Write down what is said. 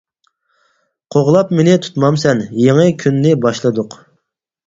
قوغلاپ مېنى تۇتمامسەن، يېڭى كۈننى باشلىدۇق.